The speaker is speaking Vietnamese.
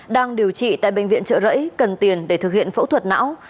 đang điều trị tại bệnh viện trợ rẫy cần tiền để thực hiện phẫu thuật não